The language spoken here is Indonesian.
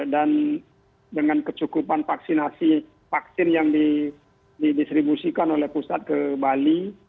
dan dengan kecukupan vaksinasi vaksin yang didistribusikan oleh pusat ke bali